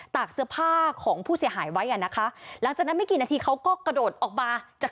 กเสื้อผ้าของผู้เสียหายไว้อ่ะนะคะหลังจากนั้นไม่กี่นาทีเขาก็กระโดดออกมาจาก